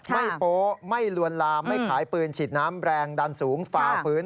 โป๊ไม่ลวนลามไม่ขายปืนฉีดน้ำแรงดันสูงฝ่าฝืน